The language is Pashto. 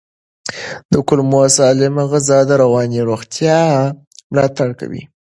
د کولمو سالمه غذا د رواني روغتیا ملاتړ کوي.